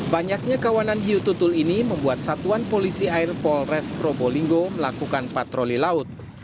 banyaknya kawanan hiu tutul ini membuat satuan polisi air polres probolinggo melakukan patroli laut